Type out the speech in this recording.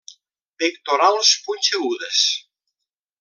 Pectorals punxegudes.